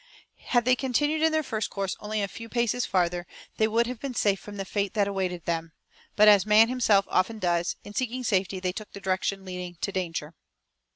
Had they continued in their first course only a few paces farther, they would have been safe from the fate that awaited them; but, as man himself often does, in seeking safety they took the direction leading to danger.